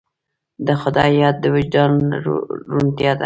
د خدای یاد د وجدان روڼتیا ده.